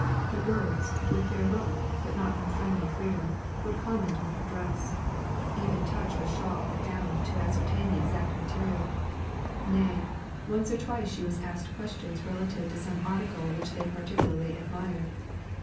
The girls, with their rough, but not unfriendly freedom, would comment on her dress, even touch her shawl or gown to ascertain the exact material; nay, once or twice she was asked questions relative to some article which they particularly admired.